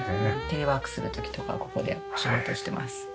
テレワークする時とかここでお仕事してます。